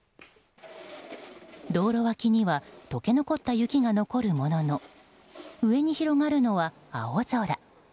道路脇には解け残った雪が残るものの上に広がるのは青空。